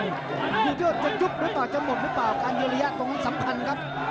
ยอดจะยุบหรือเปล่าจะหมดหรือเปล่าการยืนระยะตรงนั้นสำคัญครับ